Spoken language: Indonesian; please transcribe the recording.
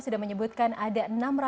sudah menyebutkan ada enam ratus dua belas